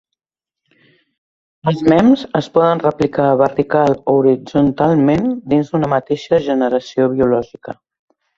Els mems es poden replicar vertical o horitzontalment dins d'una mateixa generació biològica.